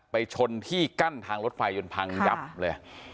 ชนที่กั้นทางรถไฟจนพังยับเลย